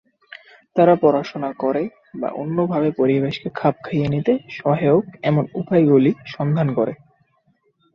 তারা পড়াশোনা করে বা অন্যভাবে পরিবেশকে খাপ খাইয়ে নিতে সহায়ক এমন উপায়গুলি সন্ধান করে।